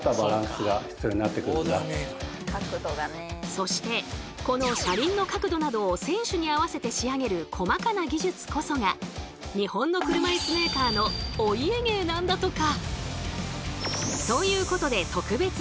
そしてこの車輪の角度などを選手に合わせて仕上げるこまかな技術こそが日本の車いすメーカーのお家芸なんだとか。